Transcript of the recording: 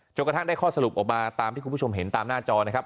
กระทั่งได้ข้อสรุปออกมาตามที่คุณผู้ชมเห็นตามหน้าจอนะครับ